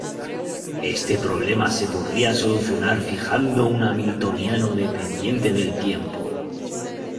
Este problema se podría solucionar fijando un hamiltoniano dependiente del tiempo.